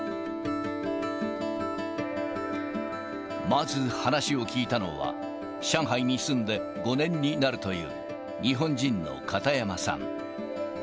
まず話を聞いたのは、上海に住んで５年になるという、日本人の片山さん。